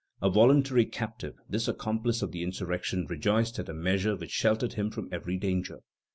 A voluntary captive, this accomplice of the insurrection rejoiced at a measure which sheltered him from every danger.